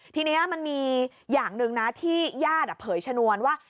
ทีนี้มันมีอย่างหนึ่งนะที่ญาติเผยชนวนว่า